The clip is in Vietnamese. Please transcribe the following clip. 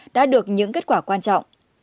đã được những kết quả quan trọng